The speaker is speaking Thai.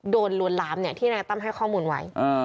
ลวนลามที่นายตั้มให้ข้อมูลไว้